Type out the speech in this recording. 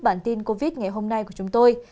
bản tin covid ngày hôm nay của chúng tôi